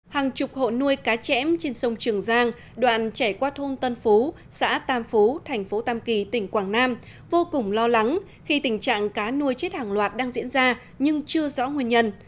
hàng chục hộ nuôi cá chẽm trên sông trường giang đoạn chảy qua thôn tân phú xã tam phú thành phố tam kỳ tỉnh quảng nam vô cùng lo lắng khi tình trạng cá nuôi chết hàng loạt đang diễn ra nhưng chưa rõ nguyên nhân